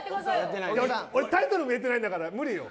俺、タイトルも言えてないんだから無理よ。